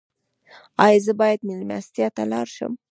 ایا زه باید میلمستیا ته لاړ شم؟